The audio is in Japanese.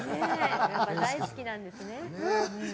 やっぱ大好きなんですね。